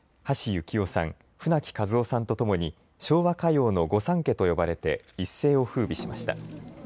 橋幸夫さん、舟木一夫さんとともに昭和歌謡の御三家と呼ばれて一世をふうびしました。